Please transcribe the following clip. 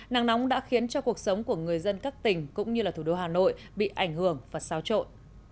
nắng nóng đã khiến cho cuộc sống của người dân các tỉnh cũng như là thủ đô hà nội bị ảnh hưởng và sao trội